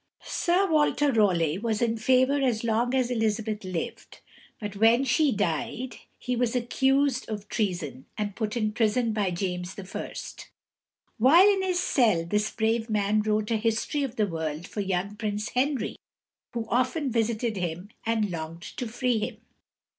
Sir Walter Raleigh was in favor as long as Elizabeth lived, but when she died he was accused of treason and put in prison by James I. While in his cell this brave man wrote a history of the world for young Prince Henry, who often visited him, and longed to free him.